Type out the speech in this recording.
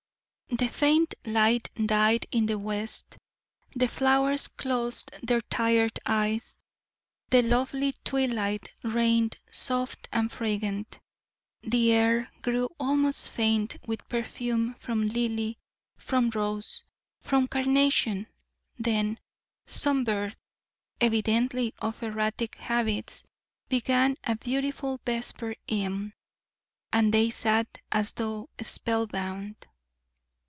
The faint light died in the west, the flowers closed their tired eyes, the lovely twilight reigned soft and fragrant, the air grew almost faint with perfume from lily, from rose, from carnation; then some bird, evidently of erratic habits, began a beautiful vesper hymn, and they sat as though spell bound.